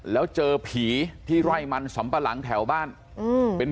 แล้วเจอผีที่ไร่มันสำปะหลังแถวบ้านอืมเป็น